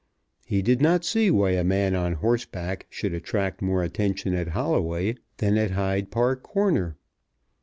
He did not see why a man on horseback should attract more attention at Holloway than at Hyde Park Corner.